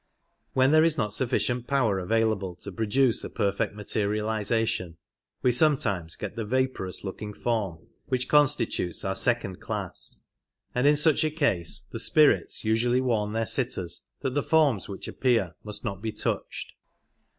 When there is not sufficient power available to produce a perfect materialization we sometimes get the vaporous look ing form which constitutes our second class, and in such a case the " spirits " usually warn their sitters that the forms 94 which appear must not be touched.